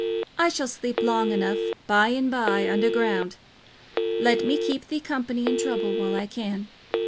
I shall sleep long enough, by and by, underground. Let me keep thee company in trouble while I can."